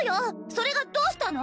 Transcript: それがどうしたの？